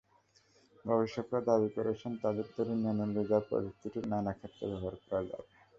গবেষকেরা দাবি করেছেন, তাঁদের তৈরি ন্যানোলেজার প্রযুক্তিটি নানা ক্ষেত্রে ব্যবহার করা যাবে।